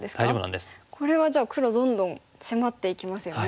これはじゃあ黒どんどん迫っていきますよね。